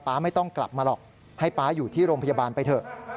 ไม่ต้องกลับมาหรอกให้ป๊าอยู่ที่โรงพยาบาลไปเถอะ